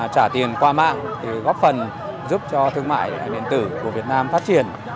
trả tiền qua mạng để góp phần giúp cho thương mại điện tử của việt nam phát triển